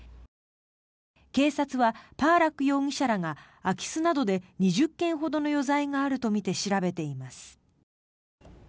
警察は、パーラック容疑者らが空き巣などで２０件ほどの余罪があるとみて調べています。